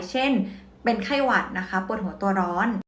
เช่นเป็นไข้หวัดนะคะปวดหัวตัวร้อน